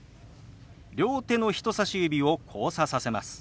両手の人さし指を交差させます。